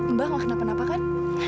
mbak makna penapa kan